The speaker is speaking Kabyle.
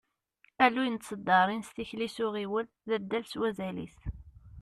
Alluy n tseddaṛin s tikli s uɣiwel, d addal s wazal-is.